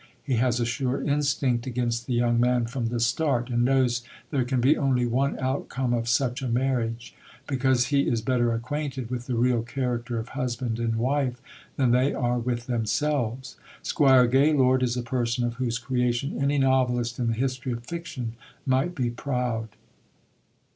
He has a sure instinct against the young man from the start, and knows there can be only one outcome of such a marriage; because he is better acquainted with the real character of husband and wife than they are with themselves. Squire Gaylord is a person of whose creation any novelist in the history of fiction might be proud.